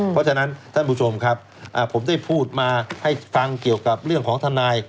เพราะฉะนั้นท่านผู้ชมครับผมได้พูดมาให้ฟังเกี่ยวกับเรื่องของทนาย